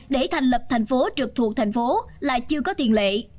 để thành lập tp trực thuộc tp hcm là chưa có tiền lệ